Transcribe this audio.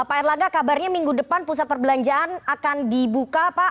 pak erlangga kabarnya minggu depan pusat perbelanjaan akan dibuka pak